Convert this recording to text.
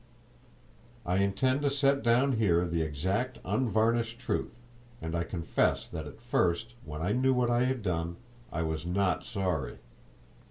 I intend to set down here the exact unvarnished truth, and I confess that at first, when I knew what I had done, I was not sorry.